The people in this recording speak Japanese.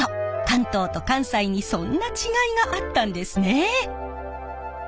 関東と関西にそんな違いがあったんですね。